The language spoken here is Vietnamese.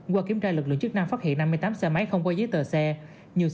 qua kiểm tra lực lượng chức năng phát hiện năm mươi tám xe máy không qua dưới tờ xe